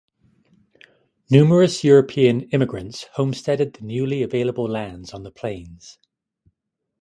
Numerous European immigrants homesteaded the newly available lands on the Plains.